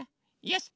よし！